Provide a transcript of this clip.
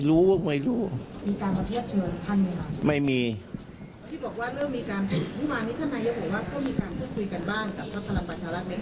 กับภักดิ์พลังประชาบรัฐในการที่จัดตั้งรัฐบาล